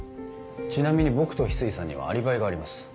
ちなみに僕と翡翠さんにはアリバイがあります。